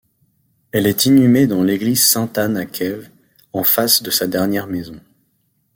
Elle est inhumée dans l'église Sainte-Anne à Kew, en face de sa dernière maison.